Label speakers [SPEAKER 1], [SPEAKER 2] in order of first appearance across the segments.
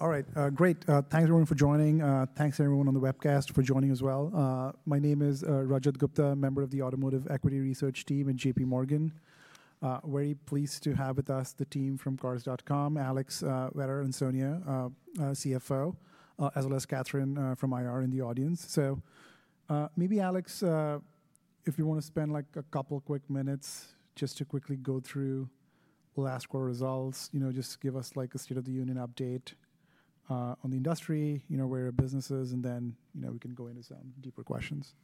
[SPEAKER 1] All right. Great. Thanks, everyone, for joining. Thanks, everyone on the webcast, for joining as well. My name is Rajat Gupta, member of the Automotive Equity Research Team at JPMorgan. Very pleased to have with us the team from Cars.com, Alex Vetter and Sonia, CFO, as well as Katherine from IR in the audience. Maybe, Alex, if you want to spend like a couple quick minutes just to quickly go through the last four results, just give us like a state-of-the-union update on the industry, where business is, and then we can go into some deeper questions.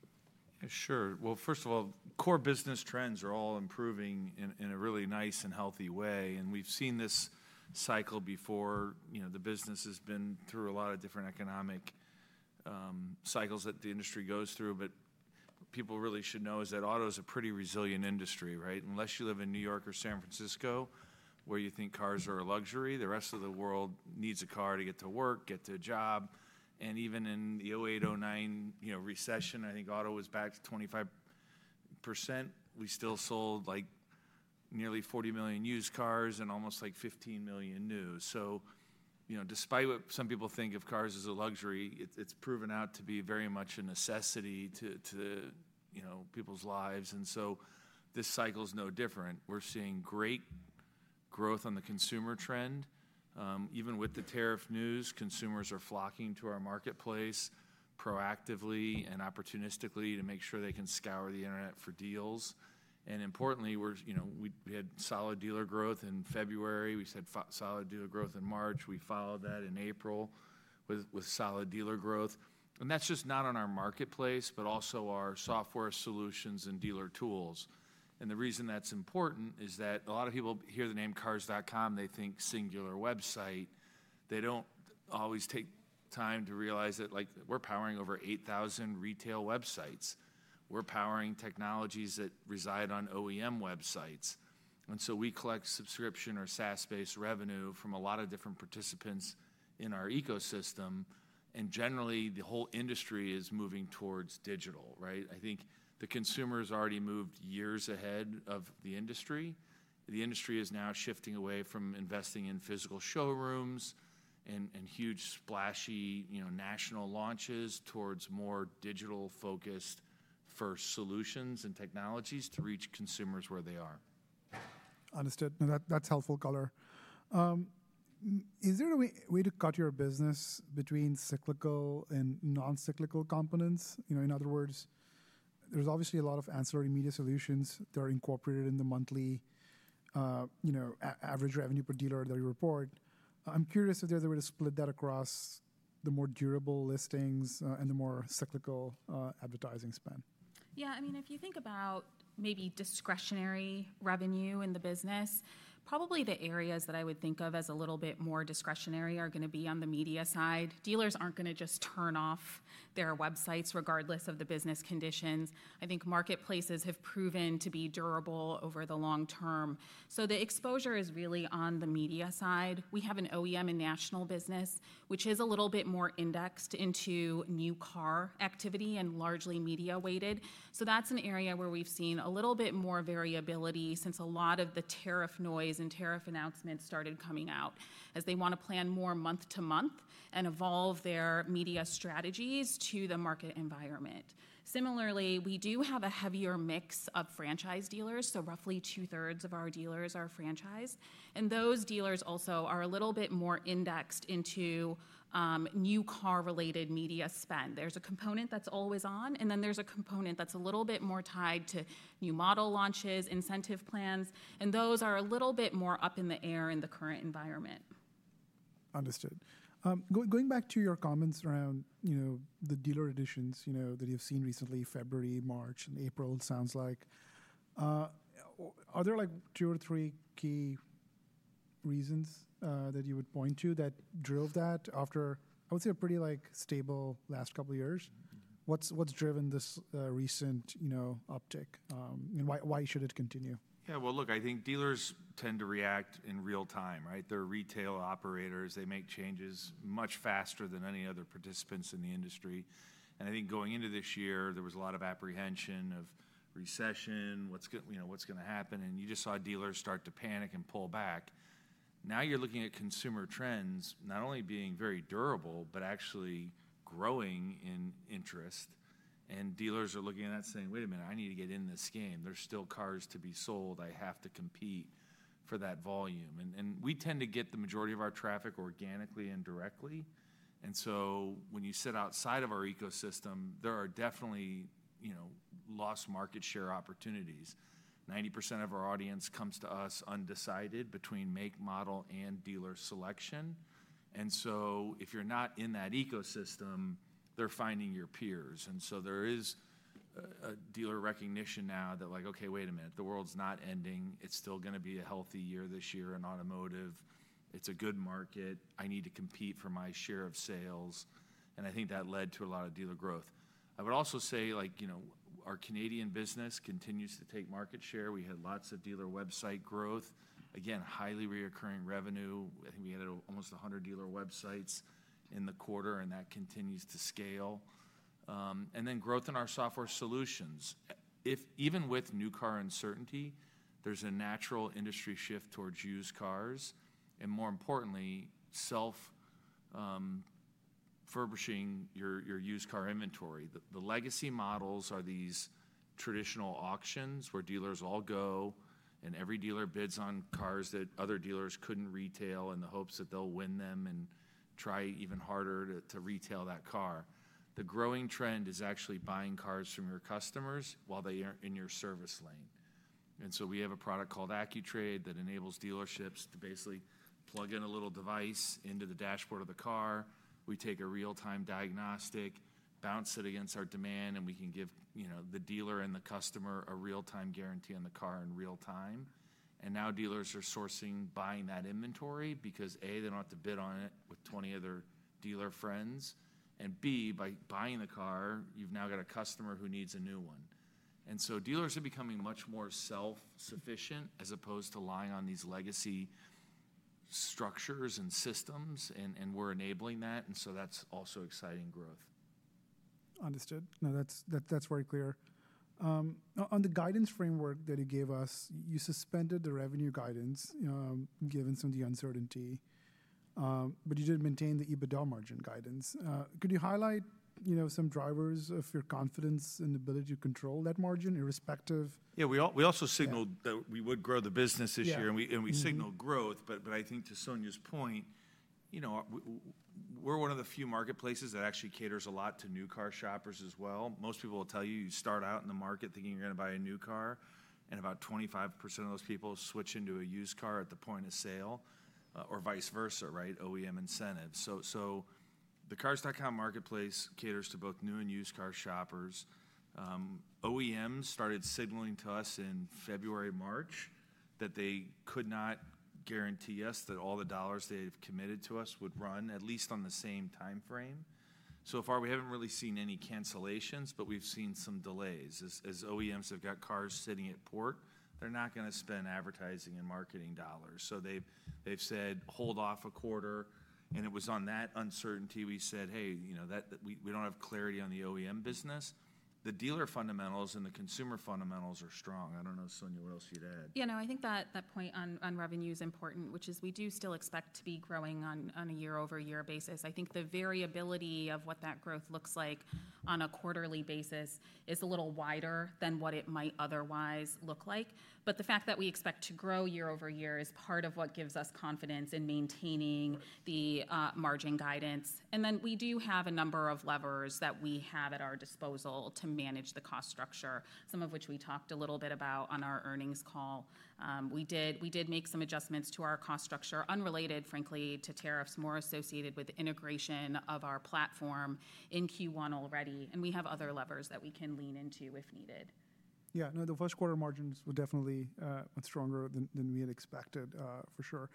[SPEAKER 2] Sure. First of all, core business trends are all improving in a really nice and healthy way. We have seen this cycle before. The business has been through a lot of different economic cycles that the industry goes through. What people really should know is that auto is a pretty resilient industry, right? Unless you live in New York or San Francisco, where you think cars are a luxury, the rest of the world needs a car to get to work, get to a job. Even in the 2008-2009 recession, I think auto was back to 25%. We still sold like nearly 40 million used cars and almost like 15 million new. Despite what some people think of cars as a luxury, it has proven out to be very much a necessity to people's lives. This cycle is no different. We're seeing great growth on the consumer trend. Even with the tariff news, consumers are flocking to our marketplace proactively and opportunistically to make sure they can scour the internet for deals. Importantly, we had solid dealer growth in February. We said solid dealer growth in March. We followed that in April with solid dealer growth. That is just not on our marketplace, but also our software solutions and dealer tools. The reason that is important is that a lot of people hear the name Cars.com, they think singular website. They do not always take time to realize that we are powering over 8,000 retail websites. We are powering technologies that reside on OEM websites. We collect subscription or SaaS-based revenue from a lot of different participants in our ecosystem. Generally, the whole industry is moving towards digital, right? I think the consumer has already moved years ahead of the industry. The industry is now shifting away from investing in physical showrooms and huge splashy national launches towards more digital-focused first solutions and technologies to reach consumers where they are.
[SPEAKER 1] Understood. That's helpful, Vetter. Is there a way to cut your business between cyclical and non-cyclical components? In other words, there's obviously a lot of ancillary media solutions that are incorporated in the monthly average revenue per dealer that you report. I'm curious if there's a way to split that across the more durable listings and the more cyclical advertising spend.
[SPEAKER 3] Yeah. I mean, if you think about maybe discretionary revenue in the business, probably the areas that I would think of as a little bit more discretionary are going to be on the media side. Dealers aren't going to just turn off their websites regardless of the business conditions. I think marketplaces have proven to be durable over the long term. The exposure is really on the media side. We have an OEM and national business, which is a little bit more indexed into new car activity and largely media-weighted. That's an area where we've seen a little bit more variability since a lot of the tariff noise and tariff announcements started coming out as they want to plan more month to month and evolve their media strategies to the market environment. Similarly, we do have a heavier mix of franchise dealers. Roughly 2/3 of our dealers are franchised. And those dealers also are a little bit more indexed into new car-related media spend. There's a component that's always on, and then there's a component that's a little bit more tied to new model launches, incentive plans. And those are a little bit more up in the air in the current environment.
[SPEAKER 1] Understood. Going back to your comments around the dealer additions that you've seen recently, February, March, and April, it sounds like, are there two or three key reasons that you would point to that drove that after, I would say, a pretty stable last couple of years? What has driven this recent uptick? Why should it continue?
[SPEAKER 2] Yeah. Look, I think dealers tend to react in real time, right? They're retail operators. They make changes much faster than any other participants in the industry. I think going into this year, there was a lot of apprehension of recession, what's going to happen. You just saw dealers start to panic and pull back. Now you're looking at consumer trends not only being very durable, but actually growing in interest. Dealers are looking at that saying, "Wait a minute, I need to get in this game. There's still cars to be sold. I have to compete for that volume." We tend to get the majority of our traffic organically and directly. When you sit outside of our ecosystem, there are definitely lost market share opportunities. 90% of our audience comes to us undecided between make, model, and dealer selection. If you're not in that ecosystem, they're finding your peers. There is a dealer recognition now that like, "Okay, wait a minute. The world's not ending. It's still going to be a healthy year this year in automotive. It's a good market. I need to compete for my share of sales." I think that led to a lot of dealer growth. I would also say our Canadian business continues to take market share. We had lots of dealer website growth. Again, highly recurring revenue. I think we had almost 100 dealer websites in the quarter, and that continues to scale. Growth in our software solutions. Even with new car uncertainty, there's a natural industry shift towards used cars and, more importantly, self-furbishing your used car inventory. The legacy models are these traditional auctions where dealers all go, and every dealer bids on cars that other dealers could not retail in the hopes that they will win them and try even harder to retail that car. The growing trend is actually buying cars from your customers while they are in your service lane. We have a product called AccuTrade that enables dealerships to basically plug in a little device into the dashboard of the car. We take a real-time diagnostic, bounce it against our demand, and we can give the dealer and the customer a real-time guarantee on the car in real time. Now dealers are sourcing, buying that inventory because, a, they do not have to bid on it with 20 other dealer friends. B, by buying the car, you have now got a customer who needs a new one. Dealers are becoming much more self-sufficient as opposed to relying on these legacy structures and systems, and we're enabling that. That is also exciting growth.
[SPEAKER 1] Understood. No, that's very clear. On the guidance framework that you gave us, you suspended the revenue guidance given some of the uncertainty, but you did maintain the EBITDA margin guidance. Could you highlight some drivers of your confidence in the ability to control that margin irrespective?
[SPEAKER 2] Yeah. We also signaled that we would grow the business this year, and we signaled growth. I think to Sonia's point, we're one of the few marketplaces that actually caters a lot to new car shoppers as well. Most people will tell you you start out in the market thinking you're going to buy a new car, and about 25% of those people switch into a used car at the point of sale or vice versa, right? OEM incentives. The Cars.com Marketplace caters to both new and used car shoppers. OEMs started signaling to us in February, March that they could not guarantee us that all the dollars they had committed to us would run, at least on the same time frame. So far, we haven't really seen any cancellations, but we've seen some delays. As OEMs have got cars sitting at port, they're not going to spend advertising and marketing dollars. They have said, "Hold off a quarter." It was on that uncertainty we said, "Hey, we do not have clarity on the OEM business." The dealer fundamentals and the consumer fundamentals are strong. I do not know, Sonia, what else you'd add.
[SPEAKER 3] Yeah. No, I think that point on revenue is important, which is we do still expect to be growing on a year-over-year basis. I think the variability of what that growth looks like on a quarterly basis is a little wider than what it might otherwise look like. The fact that we expect to grow year-over-year is part of what gives us confidence in maintaining the margin guidance. We do have a number of levers that we have at our disposal to manage the cost structure, some of which we talked a little bit about on our earnings call. We did make some adjustments to our cost structure unrelated, frankly, to tariffs, more associated with integration of our platform in Q1 already. We have other levers that we can lean into if needed.
[SPEAKER 1] Yeah. No, the first quarter margins were definitely stronger than we had expected, for sure.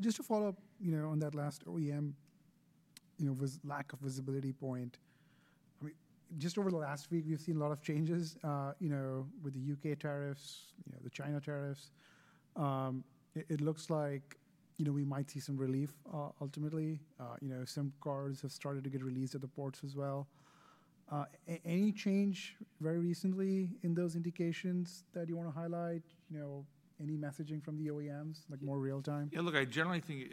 [SPEAKER 1] Just to follow up on that last OEM lack of visibility point, just over the last week, we've seen a lot of changes with the U.K. tariffs, the China tariffs. It looks like we might see some relief ultimately. Some cars have started to get released at the ports as well. Any change very recently in those indications that you want to highlight? Any messaging from the OEMs, like more real-time?
[SPEAKER 2] Yeah. Look, I generally think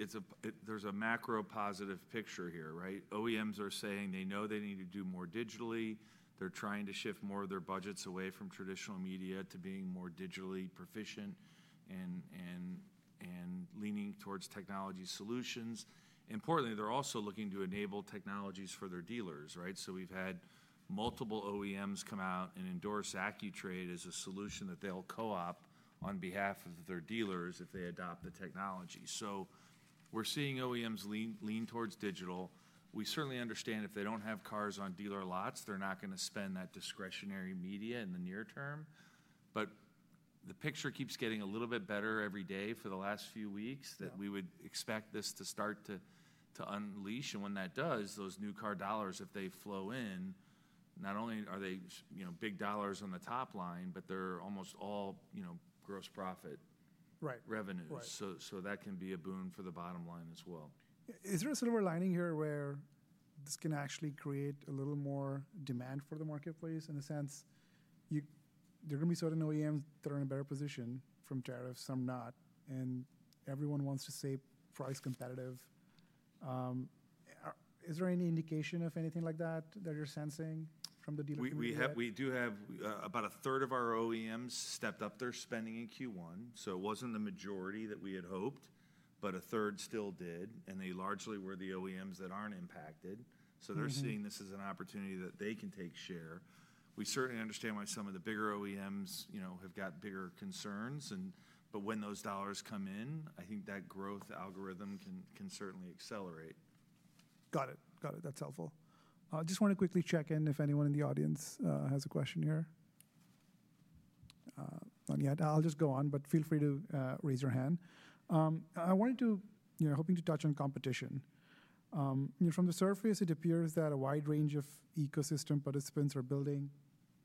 [SPEAKER 2] there's a macro-positive picture here, right? OEMs are saying they know they need to do more digitally. They're trying to shift more of their budgets away from traditional media to being more digitally proficient and leaning towards technology solutions. Importantly, they're also looking to enable technologies for their dealers, right? So we've had multiple OEMs come out and endorse AccuTrade as a solution that they'll co-op on behalf of their dealers if they adopt the technology. So we're seeing OEMs lean towards digital. We certainly understand if they don't have cars on dealer lots, they're not going to spend that discretionary media in the near term. The picture keeps getting a little bit better every day for the last few weeks that we would expect this to start to unleash. When that does, those new car dollars, if they flow in, not only are they big dollars on the top line, but they're almost all gross profit revenues. That can be a boon for the bottom line as well.
[SPEAKER 1] Is there a silver lining here where this can actually create a little more demand for the marketplace in the sense there are going to be certain OEMs that are in a better position from tariffs, some not, and everyone wants to stay price competitive? Is there any indication of anything like that that you're sensing from the dealer community?
[SPEAKER 2] We do have about a third of our OEMs stepped up their spending in Q1. It was not the majority that we had hoped, but a third still did. They largely were the OEMs that are not impacted. They are seeing this as an opportunity that they can take share. We certainly understand why some of the bigger OEMs have got bigger concerns. When those dollars come in, I think that growth algorithm can certainly accelerate.
[SPEAKER 1] Got it. Got it. That's helpful. I just want to quickly check in if anyone in the audience has a question here. Not yet. I'll just go on, but feel free to raise your hand. I wanted to, hoping to touch on competition. From the surface, it appears that a wide range of ecosystem participants are building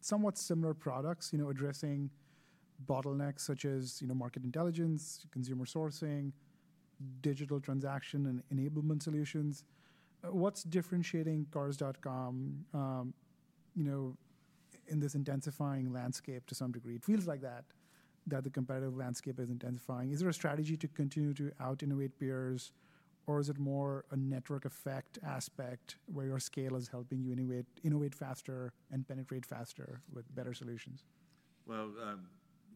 [SPEAKER 1] somewhat similar products addressing bottlenecks such as market intelligence, consumer sourcing, digital transaction, and enablement solutions. What's differentiating Cars.com in this intensifying landscape to some degree? It feels like that, that the competitive landscape is intensifying. Is there a strategy to continue to out-innovate peers, or is it more a network effect aspect where your scale is helping you innovate faster and penetrate faster with better solutions?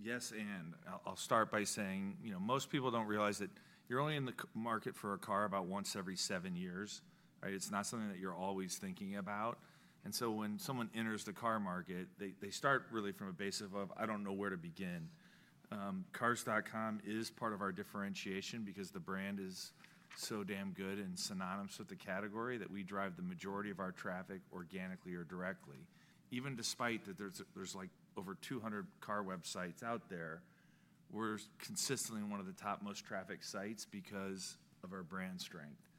[SPEAKER 2] Yes and. I'll start by saying most people don't realize that you're only in the market for a car about once every seven years, right? It's not something that you're always thinking about. When someone enters the car market, they start really from a basis of, "I don't know where to begin." Cars.com is part of our differentiation because the brand is so damn good and synonymous with the category that we drive the majority of our traffic organically or directly. Even despite that there's over 200 car websites out there, we're consistently one of the top most traffic sites because of our brand strength.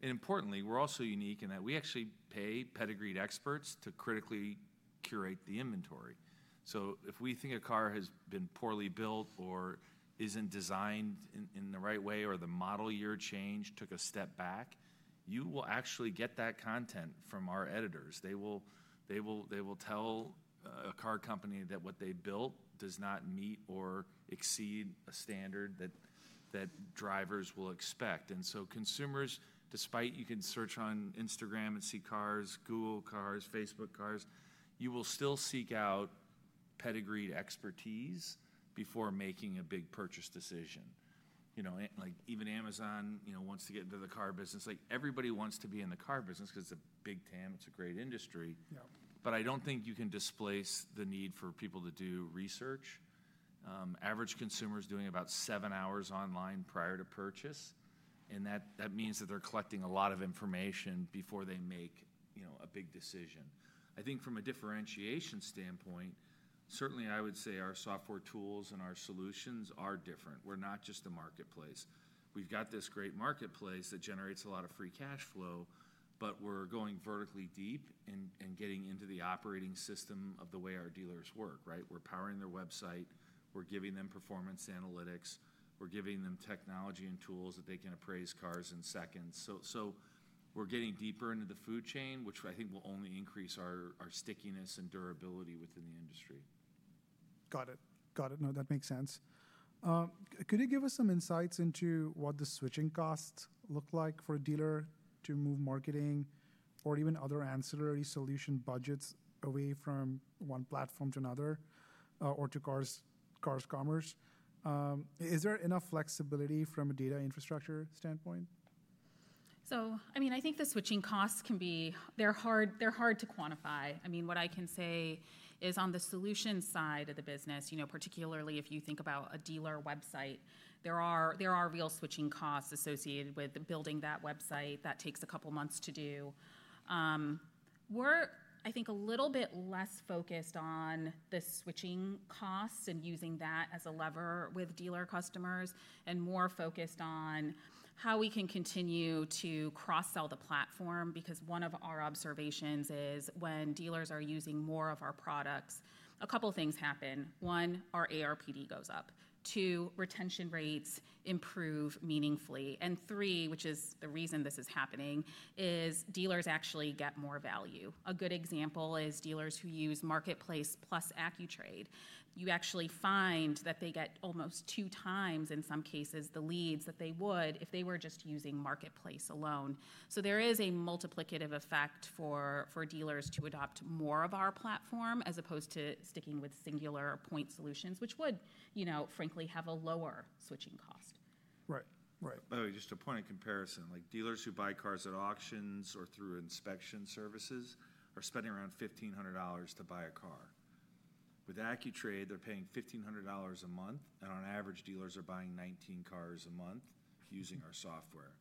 [SPEAKER 2] Importantly, we're also unique in that we actually pay pedigreed experts to critically curate the inventory. If we think a car has been poorly built or is not designed in the right way or the model year change took a step back, you will actually get that content from our editors. They will tell a car company that what they built does not meet or exceed a standard that drivers will expect. Consumers, despite you can search on Instagram and see cars, Google cars, Facebook cars, you will still seek out pedigreed expertise before making a big purchase decision. Even Amazon wants to get into the car business. Everybody wants to be in the car business because it is a big tent. It is a great industry. I do not think you can displace the need for people to do research. Average consumer is doing about seven hours online prior to purchase. That means that they're collecting a lot of information before they make a big decision. I think from a differentiation standpoint, certainly I would say our software tools and our solutions are different. We're not just a marketplace. We've got this great marketplace that generates a lot of free cash flow, but we're going vertically deep and getting into the operating system of the way our dealers work, right? We're powering their website. We're giving them performance analytics. We're giving them technology and tools that they can appraise cars in seconds. We're getting deeper into the food chain, which I think will only increase our stickiness and durability within the industry.
[SPEAKER 1] Got it. Got it. No, that makes sense. Could you give us some insights into what the switching costs look like for a dealer to move marketing or even other ancillary solution budgets away from one platform to another or to Cars, Cars Commerce, is there enough flexibility from a data infrastructure standpoint?
[SPEAKER 3] I mean, I think the switching costs can be hard to quantify. I mean, what I can say is on the solution side of the business, particularly if you think about a dealer website, there are real switching costs associated with building that website that takes a couple of months to do. We're, I think, a little bit less focused on the switching costs and using that as a lever with dealer customers and more focused on how we can continue to cross-sell the platform because one of our observations is when dealers are using more of our products, a couple of things happen. One, our ARPD goes up. Two, retention rates improve meaningfully. Three, which is the reason this is happening, is dealers actually get more value. A good example is dealers who use Marketplace plus AccuTrade. You actually find that they get almost two times in some cases the leads that they would if they were just using Marketplace alone. There is a multiplicative effect for dealers to adopt more of our platform as opposed to sticking with singular point solutions, which would, frankly, have a lower switching cost.
[SPEAKER 1] Right. Right.
[SPEAKER 2] By the way, just a point of comparison, dealers who buy cars at auctions or through inspection services are spending around $1,500 to buy a car. With AccuTrade, they're paying $1,500 a month, and on average, dealers are buying 19 cars a month using our software.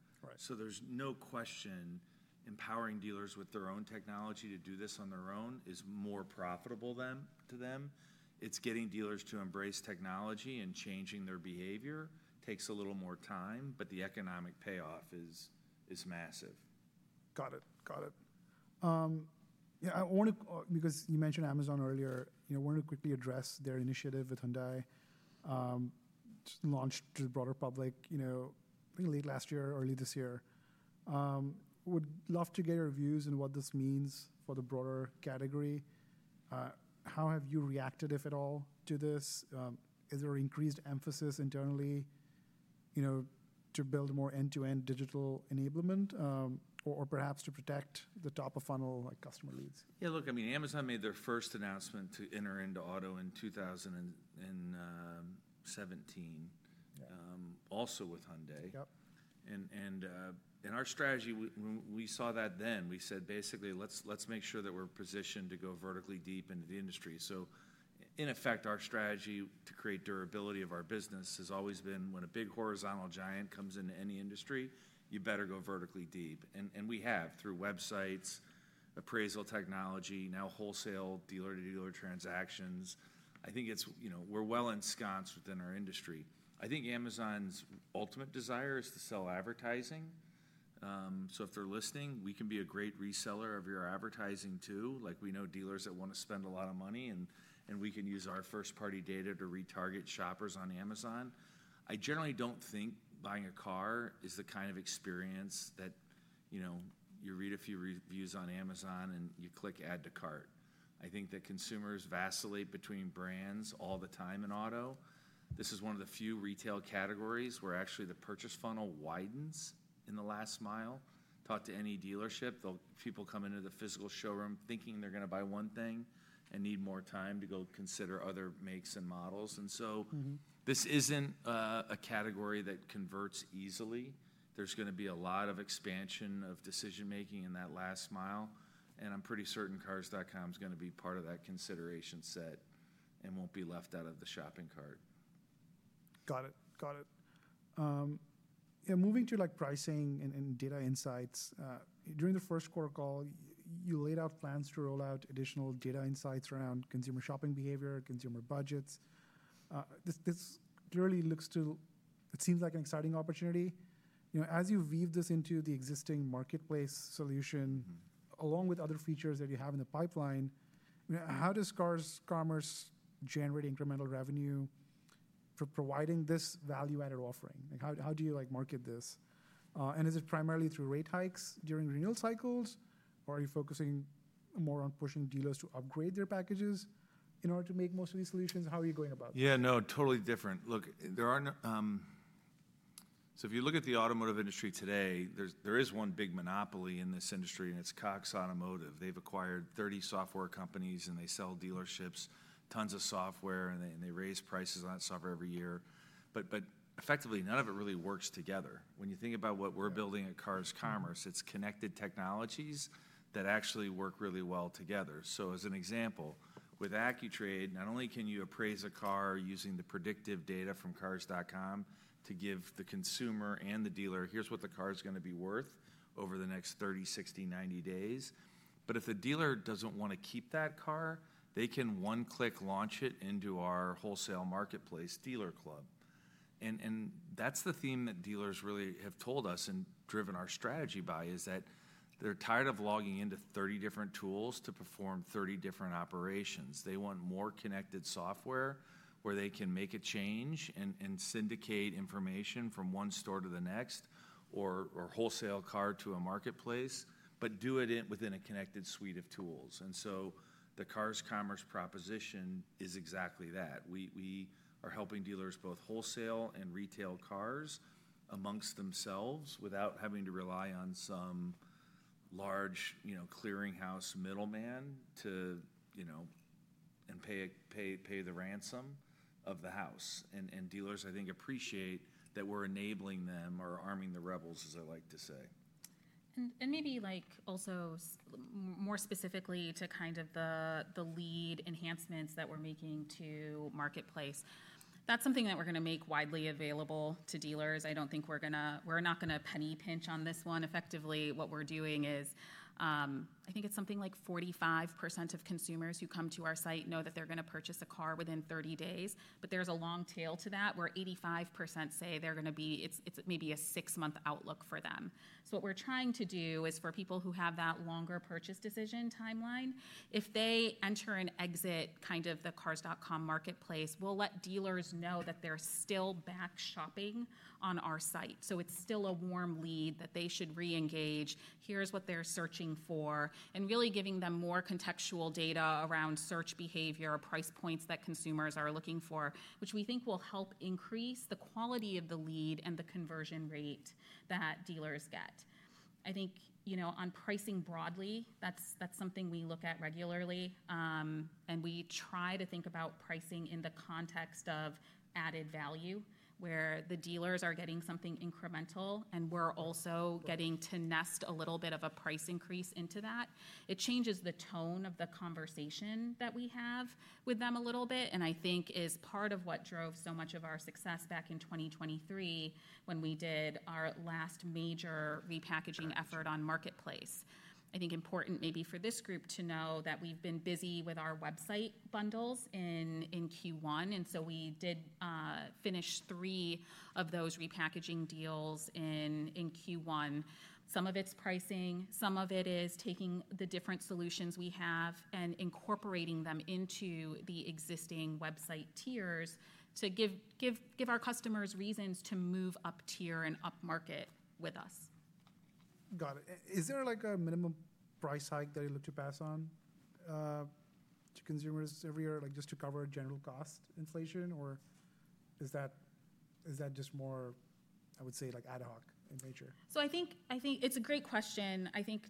[SPEAKER 2] There is no question empowering dealers with their own technology to do this on their own is more profitable to them. It's getting dealers to embrace technology and changing their behavior takes a little more time, but the economic payoff is massive.
[SPEAKER 1] Got it. Got it. Yeah. Because you mentioned Amazon earlier, I want to quickly address their initiative with Hyundai launched to the broader public late last year, early this year. Would love to get your views on what this means for the broader category. How have you reacted, if at all, to this? Is there an increased emphasis internally to build more end-to-end digital enablement or perhaps to protect the top-of-funnel customer leads?
[SPEAKER 2] Yeah. Look, I mean, Amazon made their first announcement to enter into auto in 2017, also with Hyundai. In our strategy, we saw that then. We said, basically, let's make sure that we're positioned to go vertically deep into the industry. In effect, our strategy to create durability of our business has always been when a big horizontal giant comes into any industry, you better go vertically deep. We have through websites, appraisal technology, now wholesale dealer-to-dealer transactions. I think we're well ensconced within our industry. I think Amazon's ultimate desire is to sell advertising. If they're listening, we can be a great reseller of your advertising too. We know dealers that want to spend a lot of money, and we can use our first-party data to retarget shoppers on Amazon. I generally don't think buying a car is the kind of experience that you read a few reviews on Amazon and you click add to cart. I think that consumers vacillate between brands all the time in auto. This is one of the few retail categories where actually the purchase funnel widens in the last mile. Talk to any dealership. People come into the physical showroom thinking they're going to buy one thing and need more time to go consider other makes and models. This isn't a category that converts easily. There's going to be a lot of expansion of decision-making in that last mile. I'm pretty certain Cars.com is going to be part of that consideration set and won't be left out of the shopping cart.
[SPEAKER 1] Got it. Got it. Yeah. Moving to pricing and data insights, during the first quarter call, you laid out plans to roll out additional data insights around consumer shopping behavior, consumer budgets. This clearly looks to, it seems like an exciting opportunity. As you weave this into the existing marketplace solution along with other features that you have in the pipeline, how does Cars Commerce, generate incremental revenue for providing this value-added offering? How do you market this? Is it primarily through rate hikes during renewal cycles, or are you focusing more on pushing dealers to upgrade their packages in order to make most of these solutions? How are you going about this?
[SPEAKER 2] Yeah. No, totally different. Look, if you look at the automotive industry today, there is one big monopoly in this industry, and it's Cox Automotive. They've acquired 30 software companies, and they sell dealerships tons of software, and they raise prices on that software every year. Effectively, none of it really works together. When you think about what we're building at Cars Commerce, it's connected technologies that actually work really well together. As an example, with AccuTrade, not only can you appraise a car using the predictive data from Cars.com to give the consumer and the dealer, here's what the car is going to be worth over the next 30, 60, 90 days. If the dealer doesn't want to keep that car, they can one-click launch it into our wholesale marketplace DealerClub. That is the theme that dealers really have told us and driven our strategy by, that they're tired of logging into 30 different tools to perform 30 different operations. They want more connected software where they can make a change and syndicate information from one store to the next or wholesale a car to a marketplace, but do it within a connected suite of tools. The Cars Commerce proposition is exactly that. We are helping dealers both wholesale and retail cars amongst themselves without having to rely on some large clearinghouse middleman and pay the ransom of the house. Dealers, I think, appreciate that we're enabling them or arming the rebels, as I like to say.
[SPEAKER 3] Maybe also more specifically to kind of the lead enhancements that we're making to Marketplace. That's something that we're going to make widely available to dealers. I don't think we're not going to penny pinch on this one. Effectively, what we're doing is I think it's something like 45% of consumers who come to our site know that they're going to purchase a car within 30 days. There is a long tail to that where 85% say they're going to be, it's maybe a six-month outlook for them. What we're trying to do is for people who have that longer purchase decision timeline, if they enter and exit kind of the Cars.com Marketplace, we'll let dealers know that they're still back shopping on our site. It's still a warm lead that they should re-engage. Here's what they're searching for and really giving them more contextual data around search behavior, price points that consumers are looking for, which we think will help increase the quality of the lead and the conversion rate that dealers get. I think on pricing broadly, that's something we look at regularly. We try to think about pricing in the context of added value where the dealers are getting something incremental and we're also getting to nest a little bit of a price increase into that. It changes the tone of the conversation that we have with them a little bit and I think is part of what drove so much of our success back in 2023 when we did our last major repackaging effort on marketplace. I think important maybe for this group to know that we've been busy with our website bundles in Q1. We did finish three of those repackaging deals in Q1. Some of it is pricing. Some of it is taking the different solutions we have and incorporating them into the existing website tiers to give our customers reasons to move up tier and up market with us.
[SPEAKER 1] Got it. Is there a minimum price hike that you look to pass on to consumers every year just to cover general cost inflation, or is that just more, I would say, ad hoc in nature?
[SPEAKER 3] I think it's a great question. I think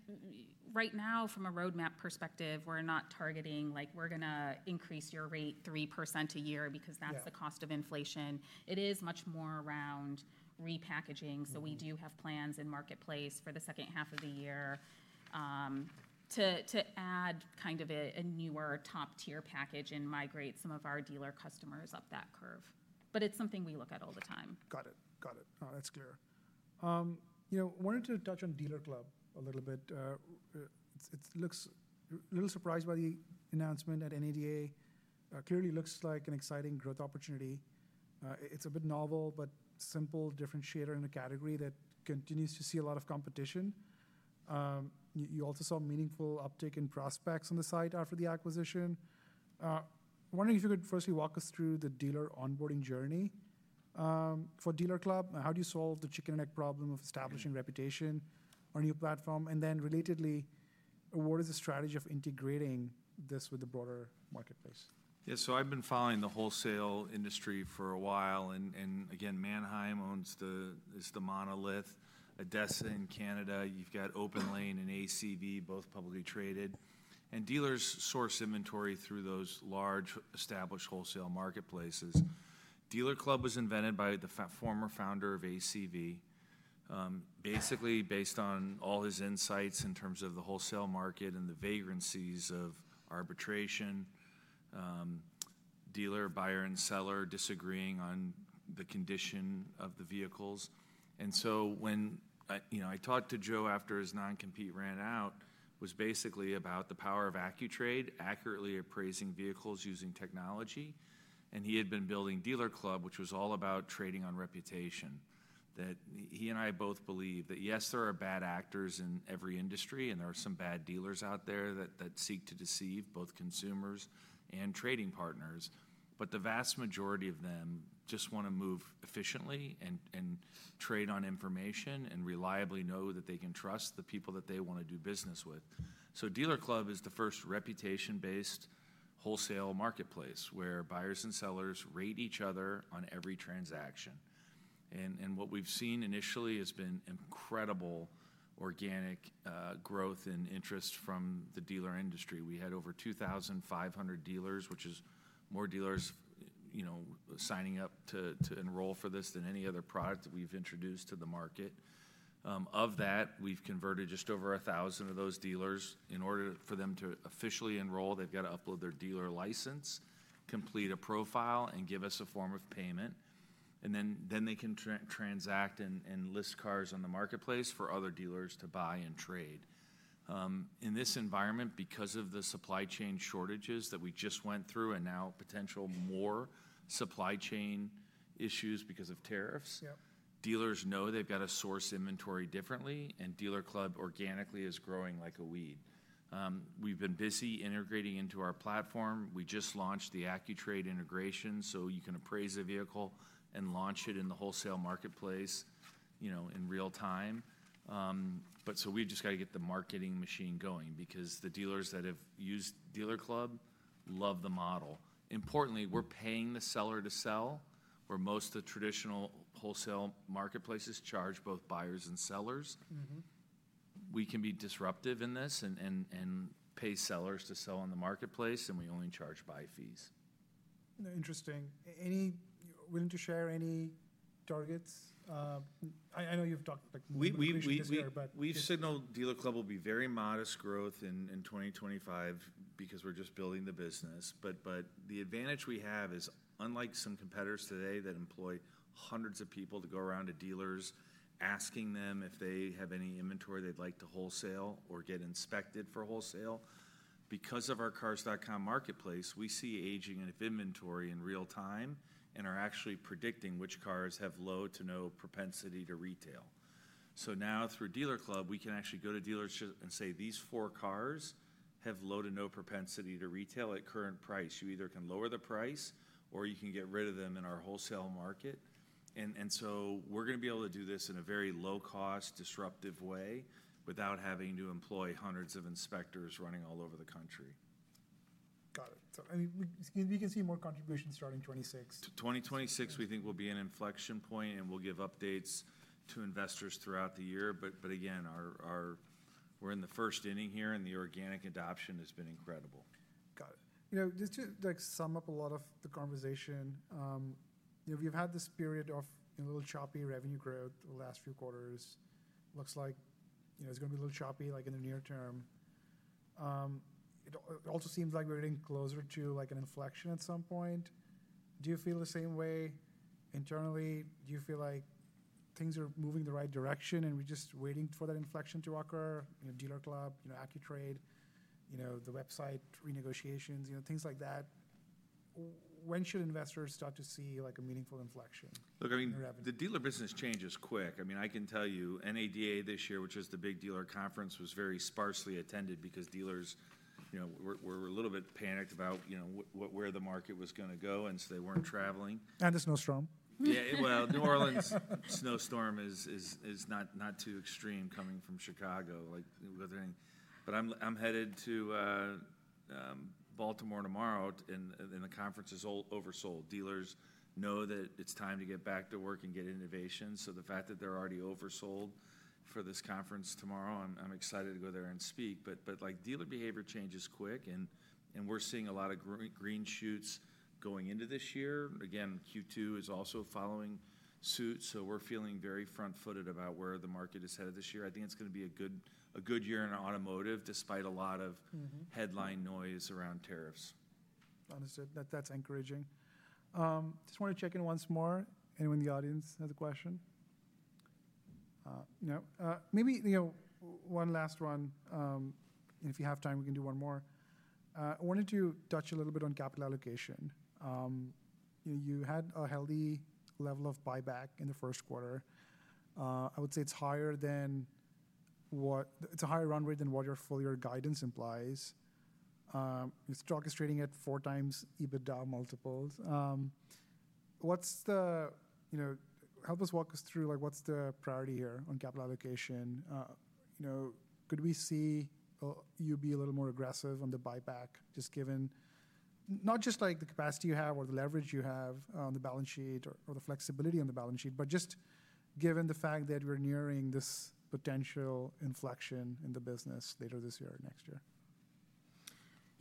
[SPEAKER 3] right now, from a roadmap perspective, we're not targeting we're going to increase your rate 3% a year because that's the cost of inflation. It is much more around repackaging. We do have plans in marketplace for the second half of the year to add kind of a newer top-tier package and migrate some of our dealer customers up that curve. It's something we look at all the time.
[SPEAKER 1] Got it. Got it. No, that's clear. I wanted to touch on DealerClub a little bit. It looks a little surprised by the announcement at NADA. Clearly looks like an exciting growth opportunity. It's a bit novel, but simple, differentiator in a category that continues to see a lot of competition. You also saw meaningful uptake in prospects on the site after the acquisition. Wondering if you could firstly walk us through the dealer onboarding journey for DealerClub. How do you solve the chicken and egg problem of establishing reputation on your platform? And then relatedly, what is the strategy of integrating this with the broader marketplace?
[SPEAKER 2] Yeah. So I've been following the wholesale industry for a while. Mannheim is the monolith. ADESA in Canada. You've got Openlane and ACV, both publicly traded. Dealers source inventory through those large established wholesale marketplaces. DealerClub was invented by the former founder of ACV, basically based on all his insights in terms of the wholesale market and the vagrancies of arbitration, dealer, buyer, and seller disagreeing on the condition of the vehicles. When I talked to Joe after his non-compete ran out, it was basically about the power of AccuTrade, accurately appraising vehicles using technology. He had been building DealerClub, which was all about trading on reputation. He and I both believe that, yes, there are bad actors in every industry, and there are some bad dealers out there that seek to deceive both consumers and trading partners. The vast majority of them just want to move efficiently and trade on information and reliably know that they can trust the people that they want to do business with. DealerClub is the first reputation-based wholesale marketplace where buyers and sellers rate each other on every transaction. What we've seen initially has been incredible organic growth and interest from the dealer industry. We had over 2,500 dealers, which is more dealers signing up to enroll for this than any other product that we've introduced to the market. Of that, we've converted just over 1,000 of those dealers. In order for them to officially enroll, they've got to upload their dealer license, complete a profile, and give us a form of payment. They can transact and list cars on the marketplace for other dealers to buy and trade. In this environment, because of the supply chain shortages that we just went through and now potential more supply chain issues because of tariffs, dealers know they've got to source inventory differently, and DealerClub organically is growing like a weed. We've been busy integrating into our platform. We just launched the AccuTrade integration so you can appraise a vehicle and launch it in the wholesale marketplace in real time. We've just got to get the marketing machine going because the dealers that have used DealerClub love the model. Importantly, we're paying the seller to sell where most of the traditional wholesale marketplaces charge both buyers and sellers. We can be disruptive in this and pay sellers to sell on the marketplace, and we only charge buy fees.
[SPEAKER 1] Interesting. Willing to share any targets? I know you've talked more than we've shared, but.
[SPEAKER 2] We've signaled DealerClub will be very modest growth in 2025 because we're just building the business. The advantage we have is unlike some competitors today that employ hundreds of people to go around to dealers asking them if they have any inventory they'd like to wholesale or get inspected for wholesale. Because of our Cars.com Marketplace, we see aging of inventory in real time and are actually predicting which cars have low to no propensity to retail. Now through DealerClub, we can actually go to dealerships and say, "These four cars have low to no propensity to retail at current price. You either can lower the price or you can get rid of them in our wholesale market." We're going to be able to do this in a very low-cost, disruptive way without having to employ hundreds of inspectors running all over the country.
[SPEAKER 1] Got it. We can see more contributions starting 2026.
[SPEAKER 2] 2026, we think will be an inflection point, and we'll give updates to investors throughout the year. Again, we're in the first inning here, and the organic adoption has been incredible.
[SPEAKER 1] Got it. Just to sum up a lot of the conversation, we've had this period of a little choppy revenue growth the last few quarters. Looks like it's going to be a little choppy in the near term. It also seems like we're getting closer to an inflection at some point. Do you feel the same way internally? Do you feel like things are moving the right direction and we're just waiting for that inflection to occur? DealerClub, AccuTrade, the website renegotiations, things like that. When should investors start to see a meaningful inflection in revenue?
[SPEAKER 2] Look, I mean, the dealer business changes quick. I mean, I can tell you NADA this year, which is the big dealer conference, was very sparsely attended because dealers were a little bit panicked about where the market was going to go, and so they weren't traveling.
[SPEAKER 1] The snowstorm.
[SPEAKER 2] Yeah. New Orleans snowstorm is not too extreme coming from Chicago. I'm headed to Baltimore tomorrow, and the conference is oversold. Dealers know that it's time to get back to work and get innovation. The fact that they're already oversold for this conference tomorrow, I'm excited to go there and speak. Dealer behavior changes quick, and we're seeing a lot of green shoots going into this year. Again, Q2 is also following suit. We're feeling very front-footed about where the market is headed this year. I think it's going to be a good year in automotive despite a lot of headline noise around tariffs.
[SPEAKER 1] Understood. That's encouraging. Just want to check in once more. Anyone in the audience has a question? No? Maybe one last one. If you have time, we can do one more. I wanted to touch a little bit on capital allocation. You had a healthy level of buyback in the first quarter. I would say it's a higher run rate than what your full year guidance implies. Your stock is trading at four times EBITDA multiples. Help us walk us through what's the priority here on capital allocation. Could we see you be a little more aggressive on the buyback, just given not just the capacity you have or the leverage you have on the balance sheet or the flexibility on the balance sheet, but just given the fact that we're nearing this potential inflection in the business later this year or next year?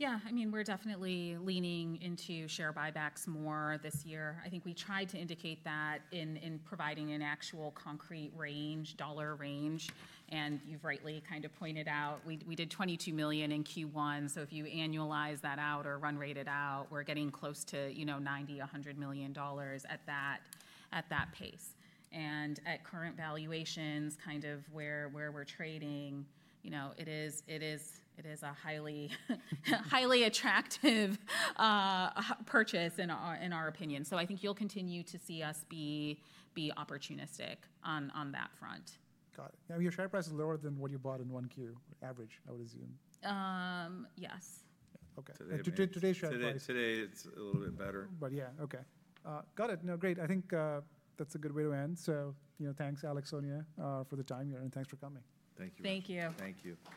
[SPEAKER 3] Yeah. I mean, we're definitely leaning into share buybacks more this year. I think we tried to indicate that in providing an actual concrete range, dollar range. And you've rightly kind of pointed out we did $22 million in Q1. If you annualize that out or run rate it out, we're getting close to $90-$100 million at that pace. At current valuations, kind of where we're trading, it is a highly attractive purchase in our opinion. I think you'll continue to see us be opportunistic on that front.
[SPEAKER 1] Got it. Now, your share price is lower than what you bought in one Q, average, I would assume.
[SPEAKER 3] Yes.
[SPEAKER 1] Okay. Today's share price.
[SPEAKER 2] Today, it's a little bit better.
[SPEAKER 1] Yeah. Okay. Got it. No, great. I think that's a good way to end. Thanks, Alex, Sonia, for the time here, and thanks for coming.
[SPEAKER 2] Thank you.
[SPEAKER 3] Thank you.
[SPEAKER 2] Thank you.